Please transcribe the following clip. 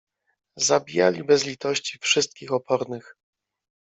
Zabijali bez litości wszystkich opornych.